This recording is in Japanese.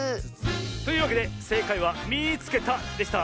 というわけでせいかいは「みいつけた！」でした。